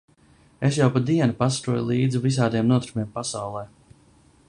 Es jau pa dienu pasekoju līdzi visādiem notikumiem pasaulē.